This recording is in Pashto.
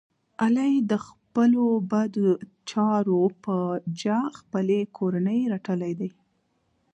علی د خپلو بد چارو په جه خپلې کورنۍ رټلی دی.